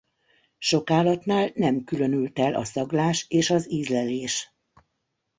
Sok állatnál nem különült el a szaglás és az ízlelés.